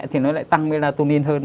thì nó lại tăng melatonin hơn